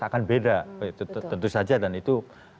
akan beda tentu saja dan itu